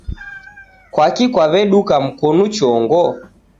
Kwaki kwaweduka mkonu chongo